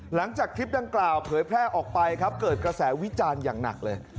หลังจากคลิปดังกล่าวเผยแพร่ออกไปครับเกิดกระแสวิจารณ์อย่างหนักเลย